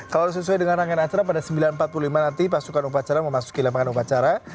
kalau sesuai dengan rangkaian acara pada sembilan ratus empat puluh lima nanti pasukan upacara memasuki lapangan upacara